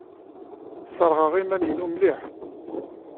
Sserɣeɣ iman-inu mliḥ.